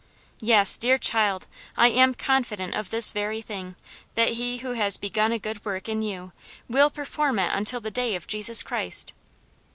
Yes, dear child, I am confident of this very thing, that he who has begun a good work in you will perform it until the day of Jesus Christ."